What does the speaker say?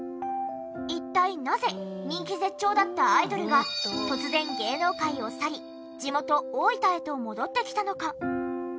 一体なぜ人気絶頂だったアイドルが突然芸能界を去り地元大分へと戻ってきたのか？